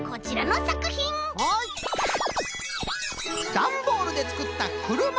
だんボールでつくったくるま。